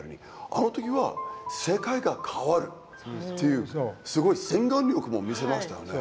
あの時は世界が変わるっていうすごい先眼力も見せましたよね。